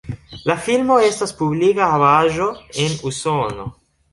La filmo estas publika havaĵo en Usono.